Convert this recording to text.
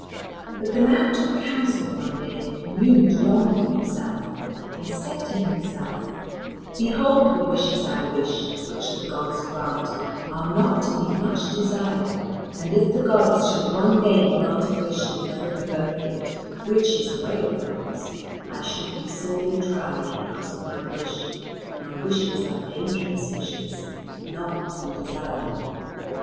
But the man took counsel one day and communed long with himself and said to himself: "Behold, the wishes I wish, which the gods grant, are not to be much desired; and if the gods should one day grant a wish and never revoke it, which is a way of the gods, I should be sorely tried because of my wish; my wishes are dangerous wishes and not to be desired."